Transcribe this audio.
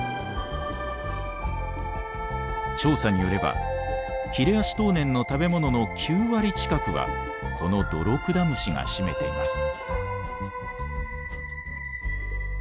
調査によればヒレアシトウネンの食べ物の９割近くはこのドロクダムシが占めています。